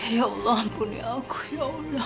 ya allah ampuni aku ya allah